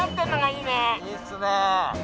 いいっすね